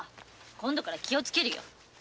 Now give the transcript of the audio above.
今度から気をつけるよ。